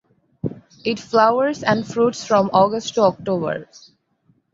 It flowers and fruits from August to October.